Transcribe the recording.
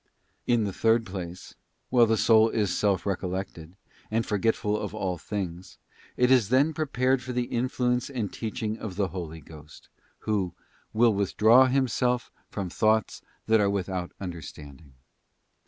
In the third place, while the soul is self recollected, and 3. Prepara forgetful of all things, it is then prepared for the influence Holy Spirit. and teaching of the Holy Ghost, Who 'will withdraw Him self from thoughts that are without understanding.